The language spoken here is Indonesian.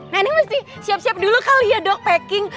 neneng mesti siap siap dulu kali ya dok packing